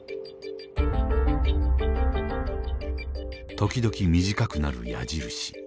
時々短くなる矢印。